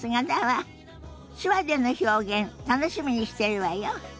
手話での表現楽しみにしてるわよ。